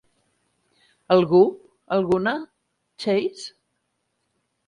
Algú, alguna? - Chase?